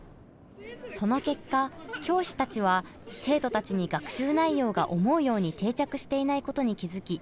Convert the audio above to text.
その結果教師たちは生徒たちに学習内容が思うように定着していないことに気付き